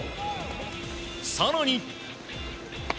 更に。